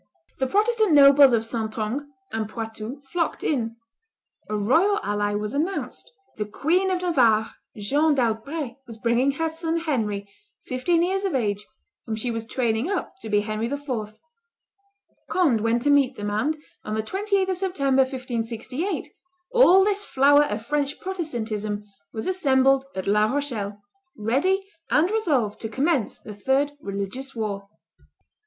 The Protestant nobles of Saintonge and Poitou flocked in. A royal ally was announced; the Queen of Navarre, Jeanne d'Albret, was bringing her son Henry, fifteen years of age, whom she was training up to be Henry IV. Conde went to meet them, and, on the 28th of September, 1568, all this flower of French Protestantism was assembled at La Rochelle, ready and resolved to commence the third religious war.